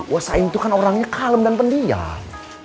wasain tuh kan orangnya kalem dan pendiam